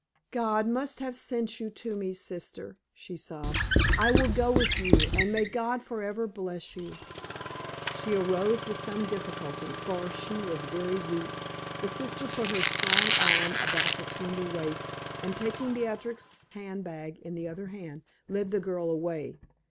"God must have sent you to me, sister," she sobbed. "I will go with you, and may God forever bless you!" She arose with some difficulty, for she was very weak. The sister put her strong arm about the slender waist, and taking Beatrix's hand bag in the other hand, led the girl away.